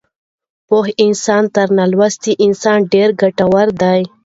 پوه انسان تر نالوستي انسان ډېر ګټور دی.